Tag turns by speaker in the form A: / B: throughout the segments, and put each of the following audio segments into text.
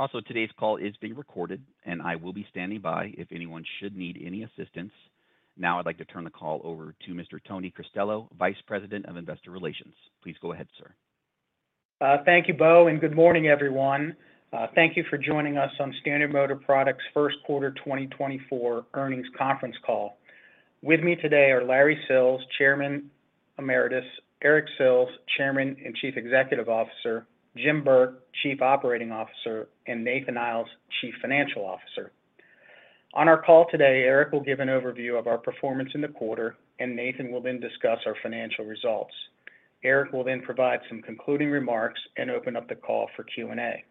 A: Also, today's call is being recorded, and I will be standing by if anyone should need any assistance. Now, I'd like to turn the call over to Mr. Tony Cristello, Vice President of Investor Relations. Please go ahead, sir.
B: Thank you, Bo, and good morning, everyone. Thank you for joining us on Standard Motor Products' First Quarter 2024 Earnings Conference Call. With me today are Larry Sills, Chairman Emeritus, Eric Sills, Chairman and Chief Executive Officer, Jim Burke, Chief Operating Officer, and Nathan Iles, Chief Financial Officer. On our call today, Eric will give an overview of our performance in the quarter, and Nathan will then discuss our financial results. Eric will then provide some concluding remarks and open up the call for Q&A.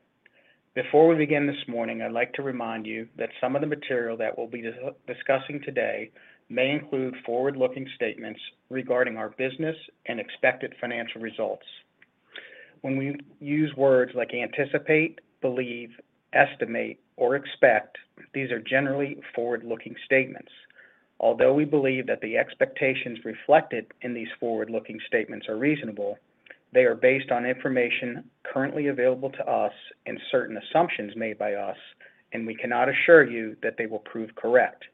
B: Before we begin this morning, I'd like to remind you that some of the material that we'll be discussing today may include forward-looking statements regarding our business and expected financial results. When we use words like "anticipate," "believe," "estimate," or "expect," these are generally forward-looking statements. Although we believe that the expectations reflected in these forward-looking statements are reasonable, they are based on information currently available to us and certain assumptions made by us, and we cannot assure you that they will prove correct.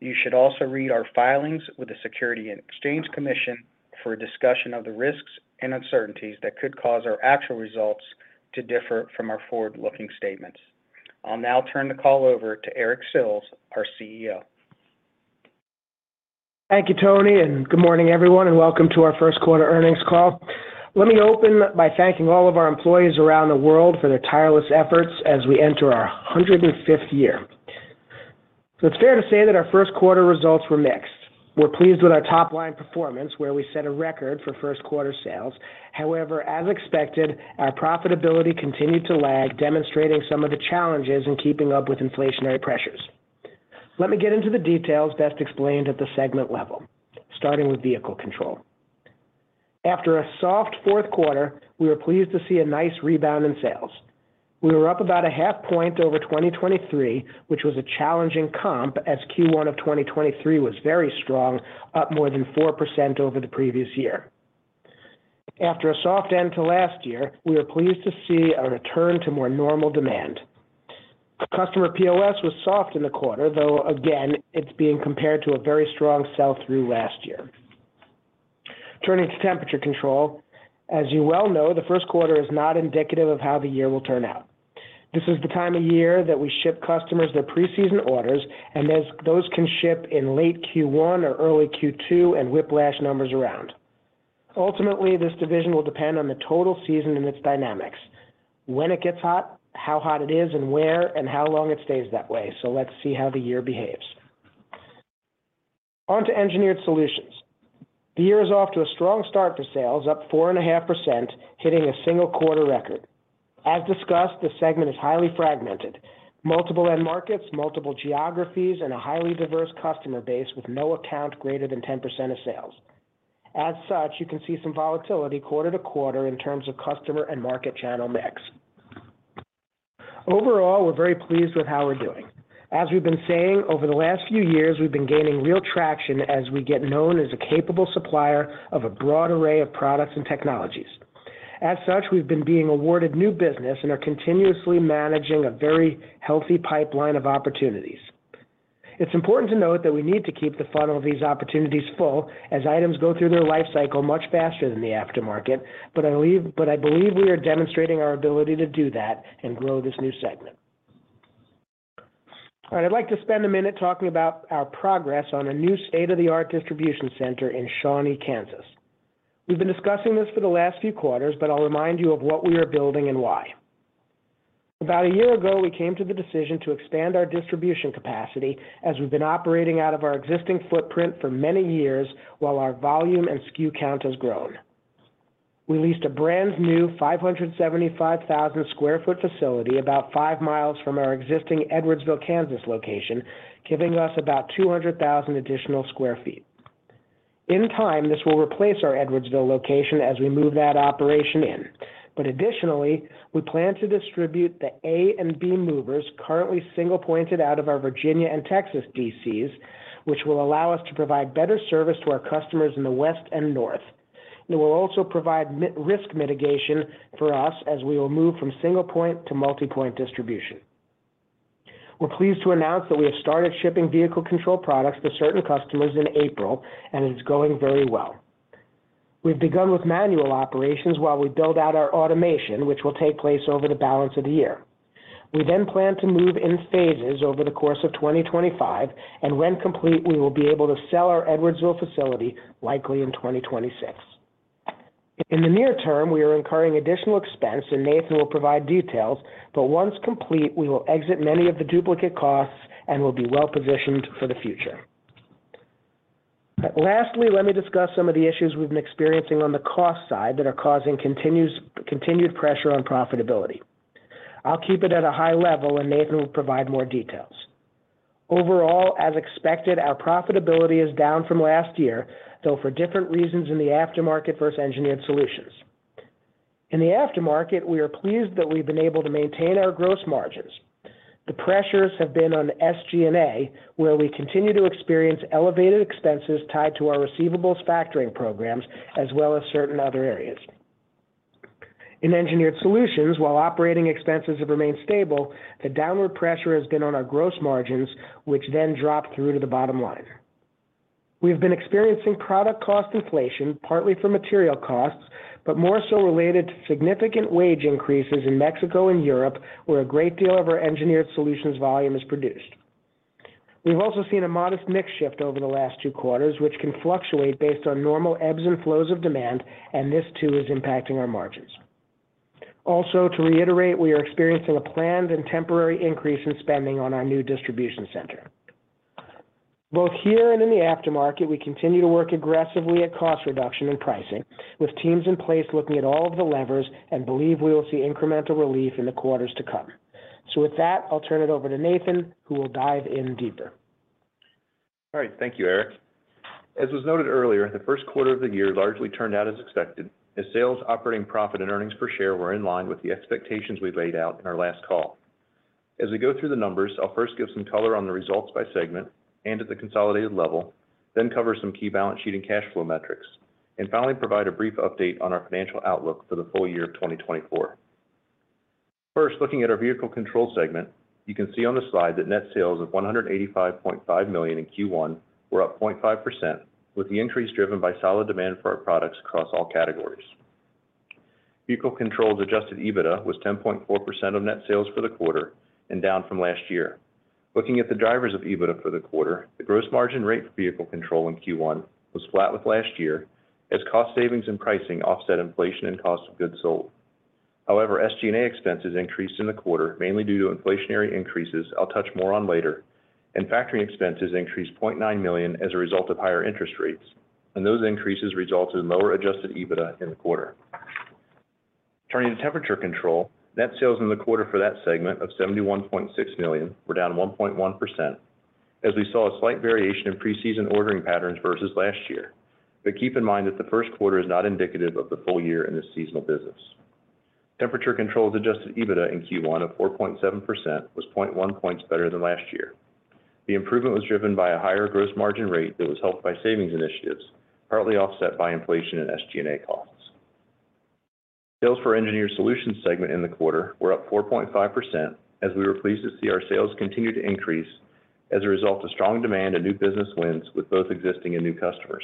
B: You should also read our filings with the Securities and Exchange Commission for a discussion of the risks and uncertainties that could cause our actual results to differ from our forward-looking statements. I'll now turn the call over to Eric Sills, our CEO.
C: Thank you, Tony, and good morning, everyone, and welcome to our first quarter earnings call. Let me open by thanking all of our employees around the world for their tireless efforts as we enter our 105th year. So it's fair to say that our first quarter results were mixed. We're pleased with our top-line performance, where we set a record for first quarter sales. However, as expected, our profitability continued to lag, demonstrating some of the challenges in keeping up with inflationary pressures. Let me get into the details best explained at the segment level, starting with Vehicle Control. After a soft fourth quarter, we were pleased to see a nice rebound in sales. We were up about a half point over 2023, which was a challenging comp as Q1 of 2023 was very strong, up more than 4% over the previous year. After a soft end to last year, we are pleased to see a return to more normal demand. Customer POS was soft in the quarter, though again, it's being compared to a very strong sell-through last year. Turning to Temperature Control, as you well know, the first quarter is not indicative of how the year will turn out. This is the time of year that we ship customers their preseason orders, and those can ship in late Q1 or early Q2 and whiplash numbers around. Ultimately, this division will depend on the total season and its dynamics: when it gets hot, how hot it is, and where, and how long it stays that way, so let's see how the year behaves. On to Engineered Solutions. The year is off to a strong start for sales, up 4.5%, hitting a single-quarter record. As discussed, the segment is highly fragmented. Multiple end markets, multiple geographies, and a highly diverse customer base with no account greater than 10% of sales. As such, you can see some volatility quarter to quarter in terms of customer and market channel mix. Overall, we're very pleased with how we're doing. As we've been saying, over the last few years, we've been gaining real traction as we get known as a capable supplier of a broad array of products and technologies. As such, we've been being awarded new business and are continuously managing a very healthy pipeline of opportunities. It's important to note that we need to keep the funnel of these opportunities full, as items go through their lifecycle much faster than the aftermarket. But I believe, but I believe we are demonstrating our ability to do that and grow this new segment. All right, I'd like to spend a minute talking about our progress on a new state-of-the-art distribution center in Shawnee, Kansas. We've been discussing this for the last few quarters, but I'll remind you of what we are building and why. About a year ago, we came to the decision to expand our distribution capacity as we've been operating out of our existing footprint for many years, while our volume and SKU count has grown. We leased a brand-new 575,000 sq ft facility about 5 mi from our existing Edwardsville, Kansas, location, giving us about 200,000 additional sq ft. In time, this will replace our Edwardsville location as we move that operation in. But additionally, we plan to distribute the A and B movers, currently single-pointed out of our Virginia and Texas DCs, which will allow us to provide better service to our customers in the West and North. It will also provide risk mitigation for us as we will move from single point to multipoint distribution. We're pleased to announce that we have started shipping vehicle control products to certain customers in April, and it's going very well. We've begun with manual operations while we build out our automation, which will take place over the balance of the year. We then plan to move in phases over the course of 2025, and when complete, we will be able to sell our Edwardsville facility, likely in 2026. In the near term, we are incurring additional expense, and Nathan will provide details, but once complete, we will exit many of the duplicate costs and will be well-positioned for the future. Lastly, let me discuss some of the issues we've been experiencing on the cost side that are causing continued pressure on profitability. I'll keep it at a high level, and Nathan will provide more details. Overall, as expected, our profitability is down from last year, though for different reasons in the aftermarket versus Engineered Solutions. In the aftermarket, we are pleased that we've been able to maintain our gross margins. The pressures have been on SG&A, where we continue to experience elevated expenses tied to our receivables factoring programs, as well as certain other areas. In Engineered Solutions, while operating expenses have remained stable, the downward pressure has been on our gross margins, which then drop through to the bottom line. We've been experiencing product cost inflation, partly from material costs, but more so related to significant wage increases in Mexico and Europe, where a great deal of our Engineered Solutions volume is produced. We've also seen a modest mix shift over the last two quarters, which can fluctuate based on normal ebbs and flows of demand, and this too is impacting our margins. Also, to reiterate, we are experiencing a planned and temporary increase in spending on our new distribution center. Both here and in the aftermarket, we continue to work aggressively at cost reduction and pricing, with teams in place looking at all of the levers and believe we will see incremental relief in the quarters to come. With that, I'll turn it over to Nathan, who will dive in deeper.
D: All right. Thank you, Eric. As was noted earlier, the first quarter of the year largely turned out as expected, as sales, operating profit, and earnings per share were in line with the expectations we laid out in our last call. As we go through the numbers, I'll first give some color on the results by segment and at the consolidated level, then cover some key balance sheet and cash flow metrics, and finally, provide a brief update on our financial outlook for the full year of 2024. First, looking at our Vehicle Control segment, you can see on the slide that net sales of $185.5 million in Q1 were up 0.5%, with the increase driven by solid demand for our products across all categories. Vehicle Control's Adjusted EBITDA was 10.4% of net sales for the quarter and down from last year. Looking at the drivers of EBITDA for the quarter, the gross margin rate for Vehicle Control in Q1 was flat with last year, as cost savings and pricing offset inflation and cost of goods sold. However, SG&A expenses increased in the quarter, mainly due to inflationary increases I'll touch more on later, and factoring expenses increased $0.9 million as a result of higher interest rates, and those increases resulted in lower Adjusted EBITDA in the quarter. Turning to Temperature Control, net sales in the quarter for that segment of $71.6 million were down 1.1%, as we saw a slight variation in preseason ordering patterns versus last year. Keep in mind that the first quarter is not indicative of the full year in this seasonal business. Temperature Control's Adjusted EBITDA in Q1 of 4.7% was 0.1 points better than last year. The improvement was driven by a higher gross margin rate that was helped by savings initiatives, partly offset by inflation and SG&A costs. Sales for Engineered Solutions segment in the quarter were up 4.5%, as we were pleased to see our sales continue to increase as a result of strong demand and new business wins with both existing and new customers.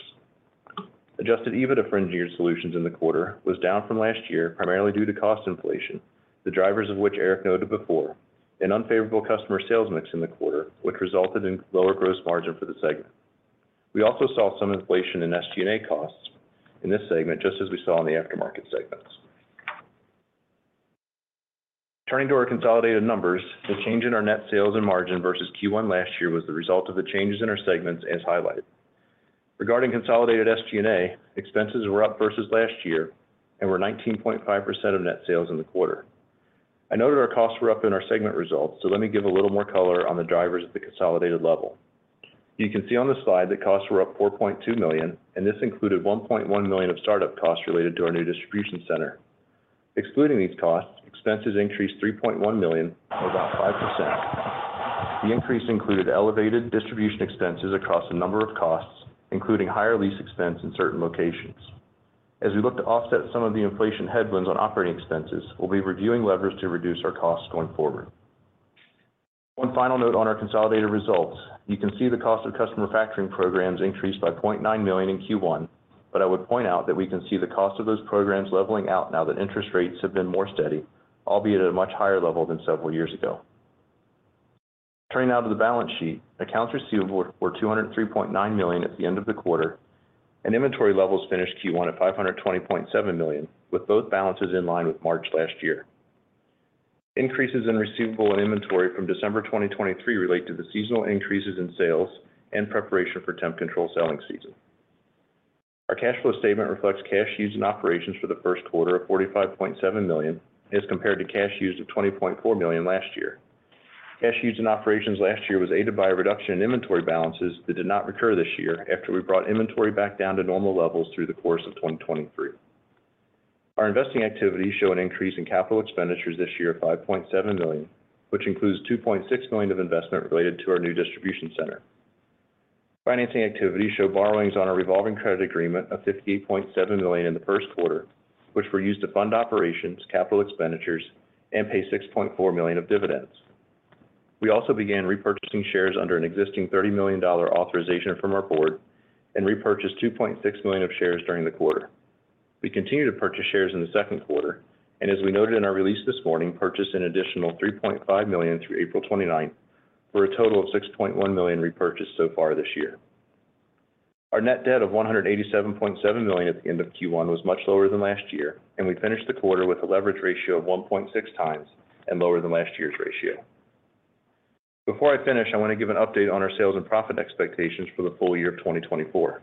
D: Adjusted EBITDA for Engineered Solutions in the quarter was down from last year, primarily due to cost inflation, the drivers of which Eric noted before, an unfavorable customer sales mix in the quarter, which resulted in lower gross margin for the segment. We also saw some inflation in SG&A costs in this segment, just as we saw in the aftermarket segments. Turning to our consolidated numbers, the change in our net sales and margin versus Q1 last year was the result of the changes in our segments as highlighted. Regarding consolidated SG&A, expenses were up versus last year and were 19.5% of net sales in the quarter. I noted our costs were up in our segment results, so let me give a little more color on the drivers at the consolidated level. You can see on the slide that costs were up $4.2 million, and this included $1.1 million of startup costs related to our new distribution center. Excluding these costs, expenses increased $3.1 million, or about 5%. The increase included elevated distribution expenses across a number of costs, including higher lease expense in certain locations. As we look to offset some of the inflation headwinds on operating expenses, we'll be reviewing levers to reduce our costs going forward. One final note on our consolidated results. You can see the cost of customer factoring programs increased by $0.9 million in Q1, but I would point out that we can see the cost of those programs leveling out now that interest rates have been more steady, albeit at a much higher level than several years ago. Turning now to the balance sheet, accounts receivable were $203.9 million at the end of the quarter, and inventory levels finished Q1 at $520.7 million, with both balances in line with March last year. Increases in receivables and inventory from December 2023 relate to the seasonal increases in sales and preparation for Temp Control selling season. Our cash flow statement reflects cash used in operations for the first quarter of $45.7 million, as compared to cash used of $20.4 million last year. Cash used in operations last year was aided by a reduction in inventory balances that did not recur this year after we brought inventory back down to normal levels through the course of 2023. Our investing activities show an increase in capital expenditures this year of $5.7 million, which includes $2.6 million of investment related to our new distribution center. Financing activities show borrowings on a revolving credit agreement of $58.7 million in the first quarter, which were used to fund operations, capital expenditures, and pay $6.4 million of dividends. We also began repurchasing shares under an existing $30 million authorization from our board and repurchased $2.6 million of shares during the quarter. We continued to purchase shares in the second quarter, and as we noted in our release this morning, purchased an additional $3.5 million through April 29th, for a total of $6.1 million repurchased so far this year. Our net debt of $187.7 million at the end of Q1 was much lower than last year, and we finished the quarter with a leverage ratio of 1.6x and lower than last year's ratio. Before I finish, I want to give an update on our sales and profit expectations for the full year of 2024.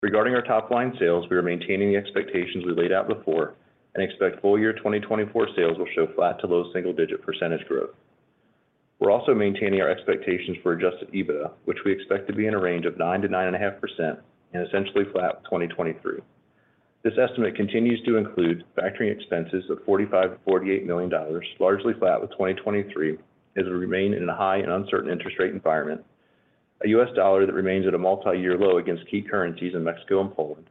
D: Regarding our top-line sales, we are maintaining the expectations we laid out before and expect full year 2024 sales will show flat to low single-digit percentage growth. We're also maintaining our expectations for Adjusted EBITDA, which we expect to be in a range of 9%-9.5% and essentially flat 2023. This estimate continues to include factoring expenses of $45 million-$48 million, largely flat with 2023, as we remain in a high and uncertain interest rate environment. A U.S. dollar that remains at a multi-year low against key currencies in Mexico and Poland,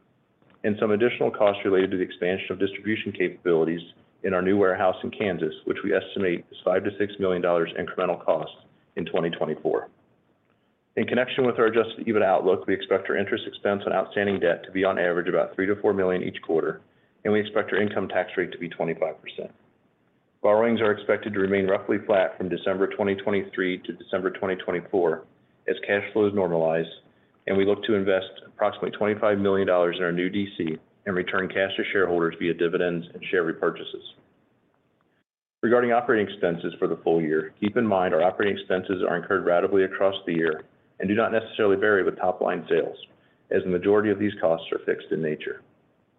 D: and some additional costs related to the expansion of distribution capabilities in our new warehouse in Kansas, which we estimate is $5 million-$6 million incremental cost in 2024. In connection with our Adjusted EBITDA outlook, we expect our interest expense on outstanding debt to be on average, about $3 million-$4 million each quarter, and we expect our income tax rate to be 25%. Borrowings are expected to remain roughly flat from December 2023 to December 2024, as cash flows normalize, and we look to invest approximately $25 million in our new DC and return cash to shareholders via dividends and share repurchases. Regarding operating expenses for the full year, keep in mind our operating expenses are incurred ratably across the year and do not necessarily vary with top-line sales, as the majority of these costs are fixed in nature.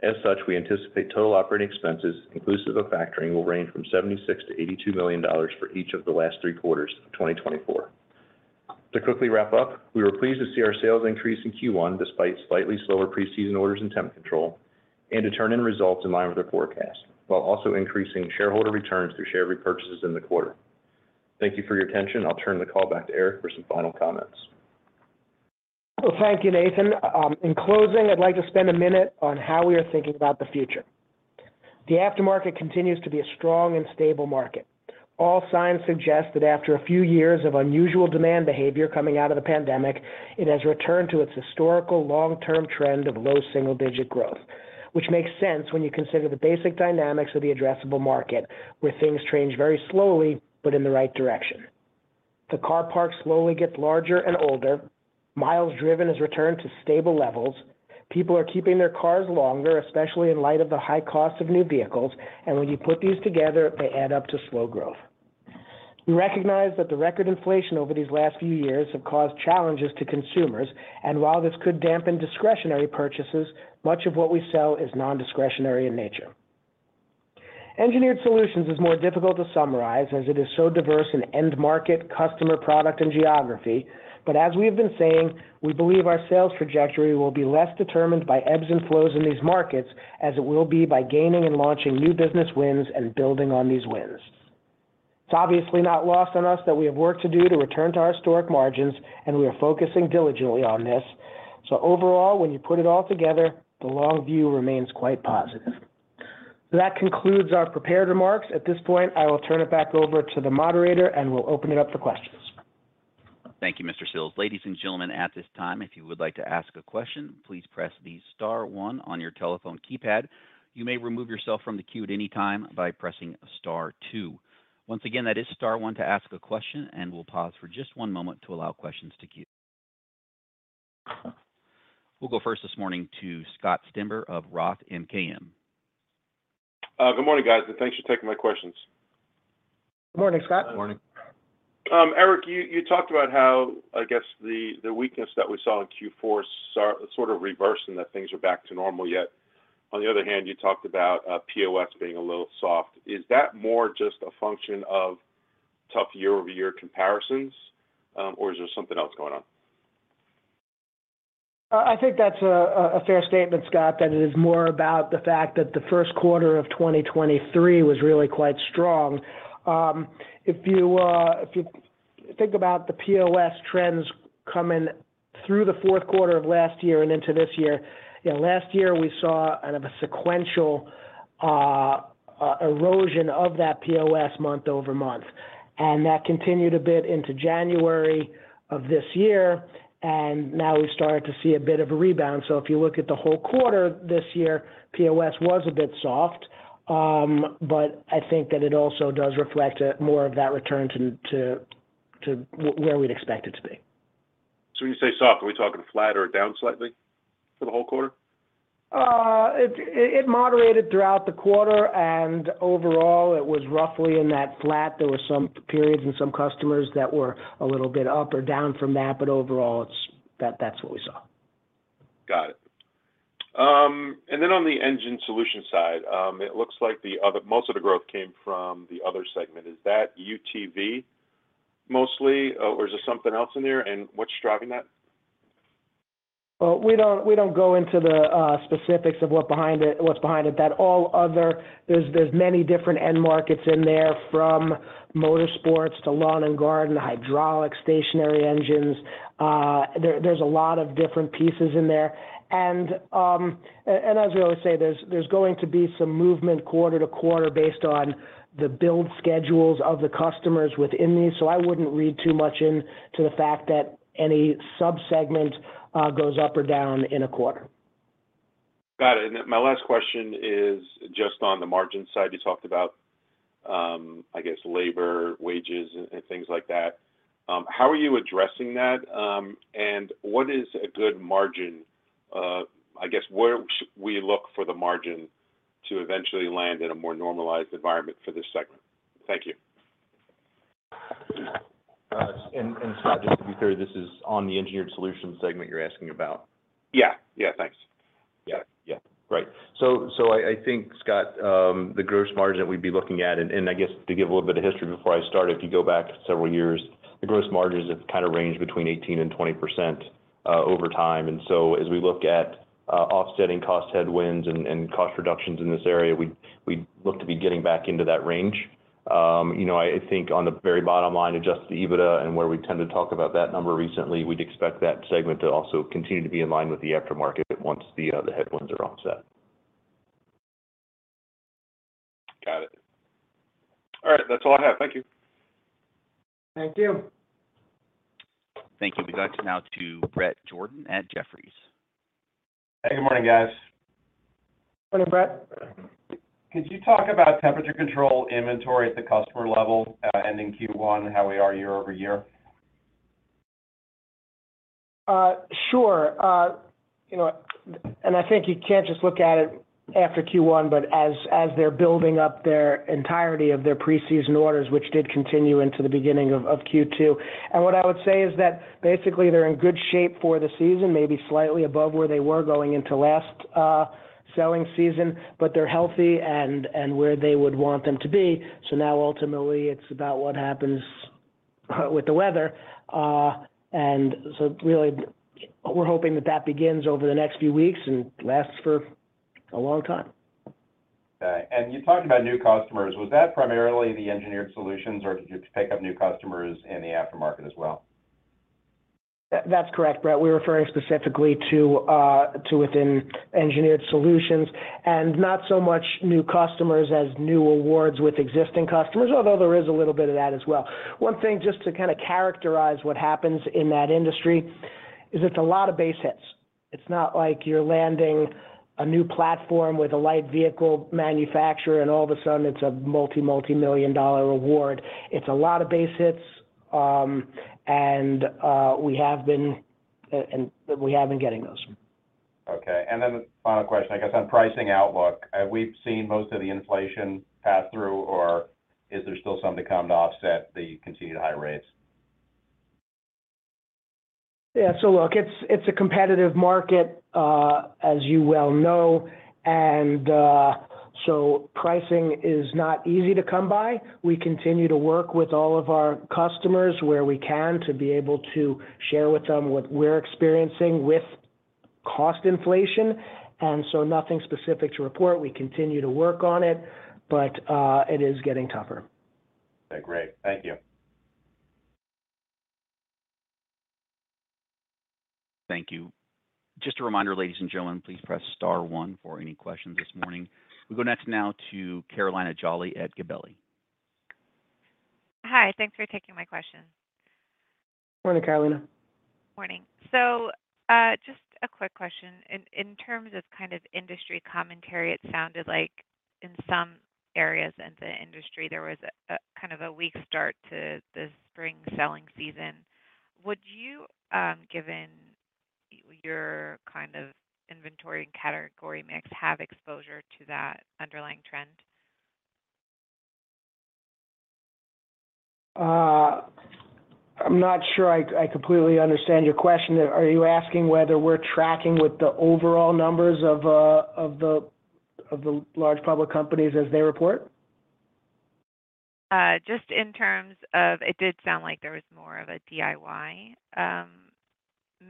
D: As such, we anticipate total operating expenses, inclusive of factoring, will range from $76 million-$82 million for each of the last three quarters of 2024. To quickly wrap up, we were pleased to see our sales increase in Q1, despite slightly slower pre-season orders and Temp Control, and to turn in results in line with our forecast, while also increasing shareholder returns through share repurchases in the quarter. Thank you for your attention. I'll turn the call back to Eric for some final comments.
C: Well, thank you, Nathan. In closing, I'd like to spend a minute on how we are thinking about the future. The aftermarket continues to be a strong and stable market. All signs suggest that after a few years of unusual demand behavior coming out of the pandemic, it has returned to its historical long-term trend of low single-digit growth, which makes sense when you consider the basic dynamics of the addressable market, where things change very slowly but in the right direction. The car park slowly gets larger and older. Miles driven has returned to stable levels. People are keeping their cars longer, especially in light of the high cost of new vehicles, and when you put these together, they add up to slow growth. We recognize that the record inflation over these last few years have caused challenges to consumers, and while this could dampen discretionary purchases, much of what we sell is nondiscretionary in nature. Engineered Solutions is more difficult to summarize as it is so diverse in end market, customer, product, and geography. But as we have been saying, we believe our sales trajectory will be less determined by ebbs and flows in these markets, as it will be by gaining and launching new business wins and building on these wins. It's obviously not lost on us that we have work to do to return to our historic margins, and we are focusing diligently on this. So overall, when you put it all together, the long view remains quite positive. So that concludes our prepared remarks. At this point, I will turn it back over to the moderator, and we'll open it up to questions.
A: Thank you, Mr. Sills. Ladies and gentlemen, at this time, if you would like to ask a question, please press the star one on your telephone keypad. You may remove yourself from the queue at any time by pressing star two. Once again, that is star one to ask a question, and we'll pause for just one moment to allow questions to queue. We'll go first this morning to Scott Stember of ROTH MKM.
E: Good morning, guys, and thanks for taking my questions.
C: Good morning, Scott.
D: Good morning.
E: Eric, you talked about how, I guess, the weakness that we saw in Q4 starting to sort of reverse, that things are back to normal yet. On the other hand, you talked about POS being a little soft. Is that more just a function of tough year-over-year comparisons, or is there something else going on?
C: I think that's a fair statement, Scott, that it is more about the fact that the first quarter of 2023 was really quite strong. If you, if you think about the POS trends coming through the fourth quarter of last year and into this year, you know, last year, we saw kind of a sequential erosion of that POS month-over-month, and that continued a bit into January of this year, and now we've started to see a bit of a rebound. So if you look at the whole quarter, this year, POS was a bit soft, but I think that it also does reflect more of that return to where we'd expect it to be.
E: When you say soft, are we talking flat or down slightly for the whole quarter?
C: It moderated throughout the quarter, and overall, it was roughly in that flat. There were some periods and some customers that were a little bit up or down from that, but overall, that's what we saw.
E: Got it. And then on the Engineered Solutions side, it looks like the other, most of the growth came from the other segment. Is that UTV mostly, or is there something else in there, and what's driving that?
C: Well, we don't, we don't go into the specifics of what's behind it. That all other, there's many different end markets in there, from motorsports to lawn and garden, hydraulic, stationary engines. There's a lot of different pieces in there, and as we always say, there's going to be some movement quarter to quarter based on the build schedules of the customers within these, so I wouldn't read too much into the fact that any subsegment goes up or down in a quarter.
E: Got it. My last question is just on the margin side. You talked about, I guess, labor, wages, and things like that. How are you addressing that? What is a good margin? I guess, where should we look for the margin to eventually land in a more normalized environment for this segment? Thank you.
D: Scott, just to be clear, this is on the Engineered Solutions segment you're asking about?
E: Yeah. Yeah, thanks.
D: Yeah. Yeah, right. So I think, Scott, the gross margin that we'd be looking at, and I guess to give a little bit of history before I start, if you go back several years, the gross margins have kind of ranged between 18%-20% over time. And so as we look at offsetting cost headwinds and cost reductions in this area, we look to be getting back into that range. You know, I think on the very bottom line, Adjusted EBITDA, and where we tend to talk about that number recently, we'd expect that segment to also continue to be in line with the aftermarket once the headwinds are offset.
E: Got it. All right, that's all I have. Thank you.
C: Thank you.
A: Thank you. We go out now to Bret Jordan at Jefferies.
F: Hey, good morning, guys.
C: Good morning, Bret.
F: Could you talk about temperature control inventory at the customer level, ending Q1, and how we are year-over-year?
C: Sure. You know, and I think you can't just look at it after Q1, but as they're building up their entirety of their preseason orders, which did continue into the beginning of Q2. And what I would say is that basically, they're in good shape for the season, maybe slightly above where they were going into last selling season, but they're healthy and where they would want them to be. So now, ultimately, it's about what happens with the weather. And so really, we're hoping that that begins over the next few weeks and lasts for a long time.
F: Okay. And you talked about new customers. Was that primarily the Engineered Solutions, or did you pick up new customers in the aftermarket as well?
C: That's correct, Bret. We're referring specifically to within Engineered Solutions, and not so much new customers as new awards with existing customers, although there is a little bit of that as well. One thing, just to kind of characterize what happens in that industry, is it's a lot of base hits. It's not like you're landing a new platform with a light vehicle manufacturer, and all of a sudden, it's a multi, multi-million-dollar award. It's a lot of base hits, and we have been getting those.
F: Okay. And then the final question, I guess, on pricing outlook. Have we seen most of the inflation pass through, or is there still some to come to offset the continued high rates?
C: Yeah, so look, it's a competitive market, as you well know, and so pricing is not easy to come by. We continue to work with all of our customers where we can, to be able to share with them what we're experiencing with cost inflation, and so nothing specific to report. We continue to work on it, but it is getting tougher.
F: Okay, great. Thank you.
A: Thank you. Just a reminder, ladies and gentlemen, please press star one for any questions this morning. We go next now to Carolina Jolly at Gabelli.
G: Hi, thanks for taking my question.
C: Morning, Carolina.
G: Morning. So, just a quick question. In terms of kind of industry commentary, it sounded like in some areas in the industry, there was a kind of a weak start to the spring selling season. Would you, given your kind of inventory and category mix, have exposure to that underlying trend?
C: I'm not sure I completely understand your question. Are you asking whether we're tracking with the overall numbers of the large public companies as they report?
G: Just in terms of... It did sound like there was more of a DIY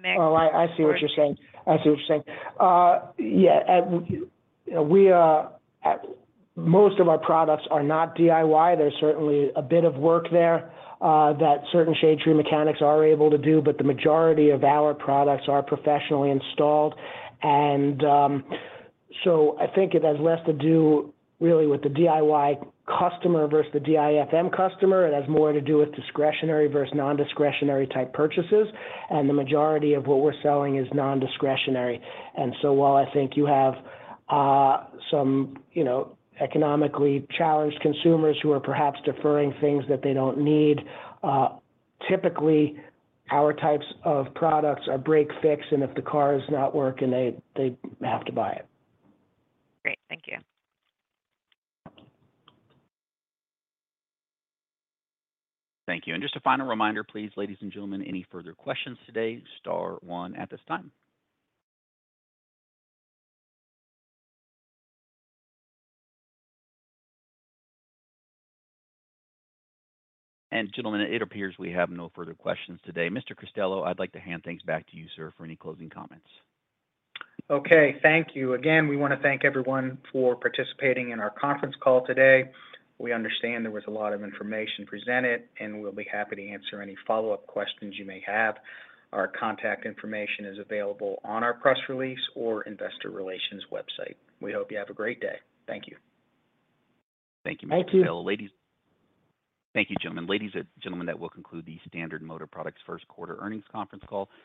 G: mix.
C: I see what you're saying. I see what you're saying. Yeah, we are... Most of our products are not DIY. There's certainly a bit of work there that certain shade tree mechanics are able to do, but the majority of our products are professionally installed. And so I think it has less to do really with the DIY customer versus the DIFM customer. It has more to do with discretionary versus nondiscretionary type purchases, and the majority of what we're selling is nondiscretionary. And so while I think you have some, you know, economically challenged consumers who are perhaps deferring things that they don't need, typically, our types of products are break/fix, and if the car is not working, they, they have to buy it.
G: Great. Thank you.
A: Thank you. And just a final reminder, please, ladies and gentlemen, any further questions today, star one at this time. And gentlemen, it appears we have no further questions today. Mr. Cristello, I'd like to hand things back to you, sir, for any closing comments.
B: Okay, thank you. Again, we want to thank everyone for participating in our conference call today. We understand there was a lot of information presented, and we'll be happy to answer any follow-up questions you may have. Our contact information is available on our press release or investor relations website. We hope you have a great day. Thank you.
A: Thank you.
C: Thank you.
A: Thank you, gentlemen. Ladies and gentlemen, that will conclude the Standard Motor Products First Quarter Earnings Conference Call.